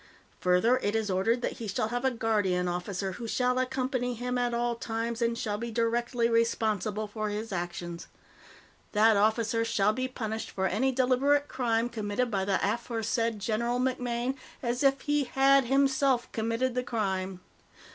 "Further, it is ordered that he shall have a Guardian Officer, who shall accompany him at all times and shall be directly responsible for his actions. "That officer shall be punished for any deliberate crime committed by the aforesaid General MacMaine as if he had himself committed the crime.